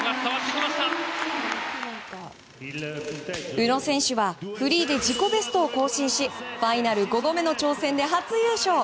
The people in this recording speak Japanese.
宇野選手はフリーで自己ベストを更新しファイナル５度目の挑戦で初優勝。